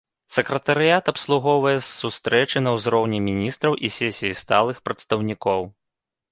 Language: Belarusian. Сакратарыят абслугоўвае сустрэчы на ўзроўні міністраў і сесіі сталых прадстаўнікоў.